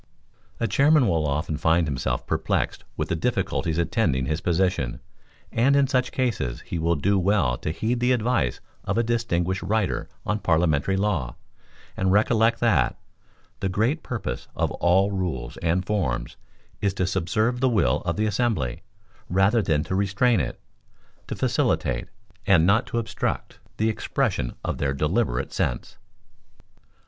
A chairman will often find himself perplexed with the difficulties attending his position, and in such cases he will do well to heed the advice of a distinguished writer on parliamentary law, and recollect that—"The great purpose of all rules and forms, is to subserve the will of the assembly, rather than to restrain it; to facilitate, and not to obstruct, the expression of their deliberate sense."